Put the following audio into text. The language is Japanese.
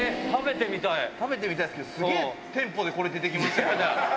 食べてみたいですね、すげえテンポでこれ出てきましたけど。